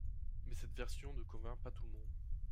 Mais cette version ne convainc pas tout le monde…